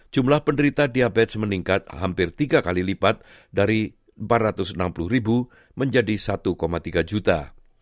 jumlah penderita diabetes meningkat hampir tiga kali lipat dari empat ratus enam puluh ribu menjadi satu tiga juta